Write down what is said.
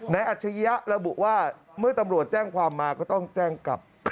อัจฉริยะระบุว่าเมื่อตำรวจแจ้งความมาก็ต้องแจ้งกลับ